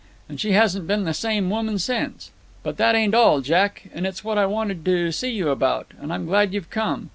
And she hasn't been the same woman since. "But that ain't all, Jack; and it's what I wanted to see you about, and I'm glad you've come.